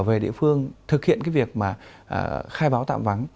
về địa phương thực hiện cái việc mà khai báo tạm vắng